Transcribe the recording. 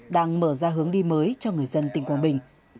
đang mở ra hướng đi mới cho người dân tỉnh quảng bình